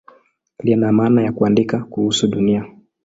Lina maana ya "kuandika kuhusu Dunia".